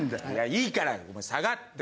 いいからお前下がって。